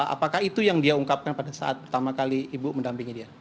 apakah itu yang dia ungkapkan pada saat pertama kali ibu mendampingi dia